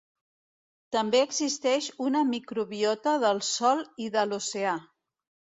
També existeix una microbiota del sòl i de l'oceà.